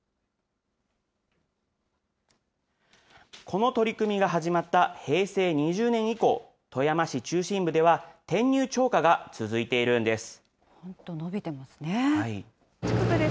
この取り組みが始まった平成２０年以降、富山市中心部では、転入超過が続いているんです。